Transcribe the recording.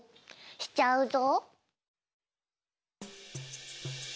しちゃうぞ！